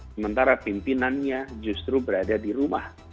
sementara pimpinannya justru berada di rumah